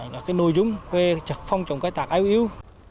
và các nội dung về chật phong trồng cây tạc áo yếu